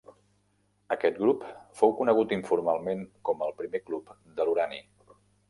Aquest grup fou conegut informalment com el primer Club de l'urani.